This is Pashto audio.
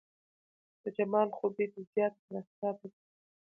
د جمال خوبي دې زياته تر افتاب ده